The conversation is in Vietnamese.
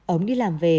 ông đi làm về